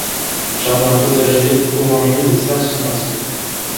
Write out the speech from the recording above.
Jardin potager, orangerie et serre sont inscrits.